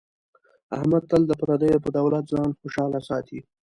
احمد تل د پردیو په دولت ځان خوشحاله ساتي.